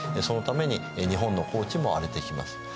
そのために日本の耕地も荒れてきます。